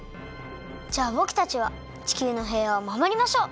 じゃあぼくたちは地球のへいわをまもりましょう！